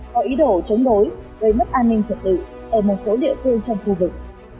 có ý đồ chống đối gây mất an ninh trật tự ở một số địa phương trong khu vực